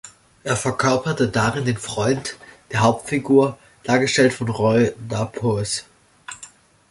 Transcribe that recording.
Er verkörperte darin den Freund der Hauptfigur, dargestellt von Roy Dupuis.